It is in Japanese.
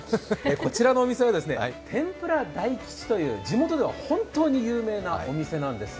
こちらのお店は、天ぷら大吉という地元では本当に有名なお店なんです。